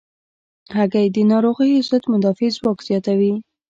هګۍ د ناروغیو ضد مدافع ځواک زیاتوي.